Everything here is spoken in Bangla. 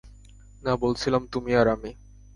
না, বলছিলাম তুমি আর আমি।